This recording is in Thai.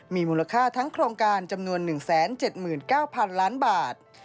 มีมูลค่าทั้งโครงการจำนวน๑๗๙๐๐๐ล้านบาท